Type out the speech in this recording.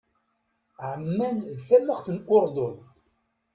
Ɛemman d tamaxt n Uṛdun.